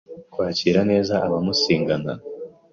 kwakira neza abaumunsigana,